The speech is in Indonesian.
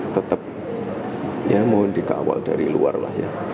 tetap ya mohon dikawal dari luar lah ya